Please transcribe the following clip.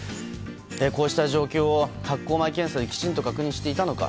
こうした状況を発航前検査できちんと確認していたのか。